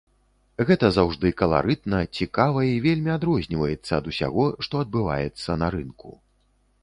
Гэта заўжды каларытна, цікава і вельмі адрозніваецца ад усяго, што адбываецца на рынку.